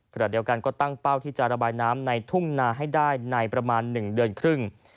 ขณะเดียวกันก็ตั้งเป้าที่จะระบายน้ำในทุ่งนาให้ได้ในประมาณ๑เดือนครึ่ง